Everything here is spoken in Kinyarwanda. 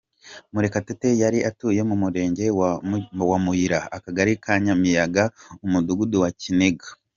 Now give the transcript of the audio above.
Murekatete yari atuye Mu murenge wa Muyira, akagari ka Nyamiyaga, umudugudu wa Kiniga.